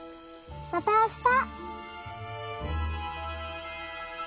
またあした。